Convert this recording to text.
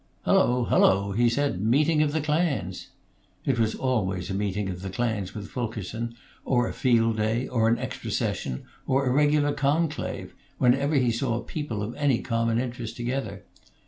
"Hello, hello!" he said. "Meeting of the clans!" It was always a meeting of the clans, with Fulkerson, or a field day, or an extra session, or a regular conclave, whenever he saw people of any common interest together.